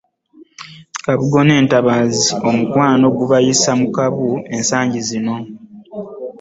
Kazibwe ne Nbatanzi omukwano gubayisa mu kabu ensangi zino.